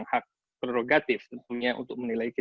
nah terookun mengesikoin ke